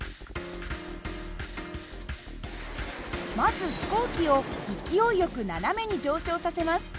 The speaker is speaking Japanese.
まず飛行機を勢いよく斜めに上昇させます。